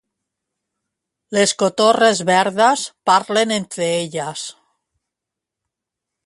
Les cotorres verdes parlen entre elles